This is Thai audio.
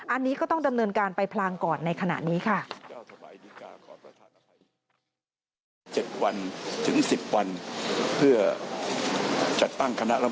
อันนี้ก็ต้องดำเนินการไปพลางก่อนในขณะนี้ค่ะ